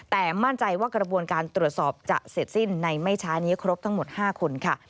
แต่มั่นใจว่ากระบวนการตรวจสอบจะเสร็จสิ้นในไม่ช้านี้ครบทั้งหมด๕คนค่ะ